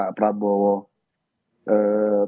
jangan melewati rights nya pak prabowo